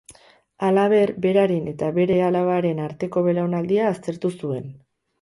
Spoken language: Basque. Halaber, beraren eta bere alabaren arteko belaunaldia aztertu zuen.